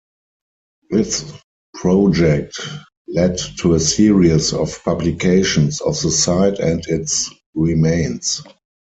This project led to a series of publications of the site and its remains.